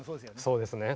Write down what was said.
そうですね